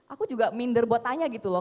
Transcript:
aku juga minder buat tanya gitu loh